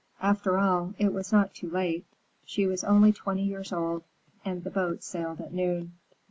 After all, it was not too late. She was only twenty years old, and the boat sailed at noon.